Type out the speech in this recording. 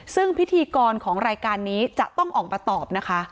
ซึ่งพิธีกรของรายการนี้จะต้องออกมาตอบนะคะ